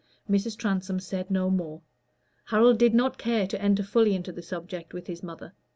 Mrs. Transome said no more. Harold did not care to enter fully into the subject with his mother.